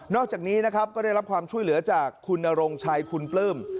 อกจากนี้นะครับก็ได้รับความช่วยเหลือจากคุณนรงชัยคุณปลื้ม